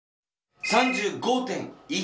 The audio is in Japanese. ３５．１℃！